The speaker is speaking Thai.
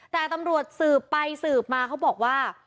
แต่ตำรวจสืบไปสืบมาเขาบอกว่า